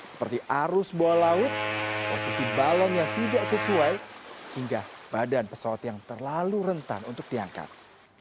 seperti arus bawah laut posisi balon yang tidak sesuai hingga badan pesawat yang terlalu rentan untuk diangkat